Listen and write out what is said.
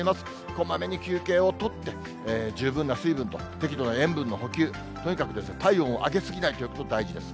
こまめに休憩を取って、十分な水分と適度な塩分の補給、とにかくですね、体温を上げ過ぎないということが大事です。